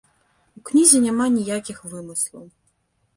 У кнізе няма ніякіх вымыслаў.